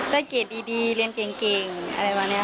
ได้เกตดีเรียนเก๋งวันโทรศีมาที